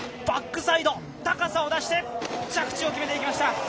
バックサイド、高さを出して、着地を決めていきました。